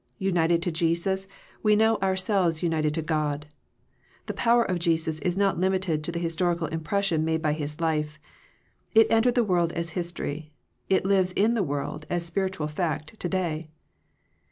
United to Jesus, we know ourselves united to God. The power of Jesus is not limited to the his torical impression made by His life. It entered the world as history; it lives in the world as spiritual fact to day.